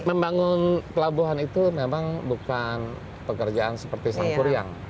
membangun pelabuhan itu memang bukan pekerjaan seperti sang kuryang